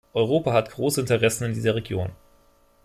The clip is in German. Europa hat große Interessen in dieser Region.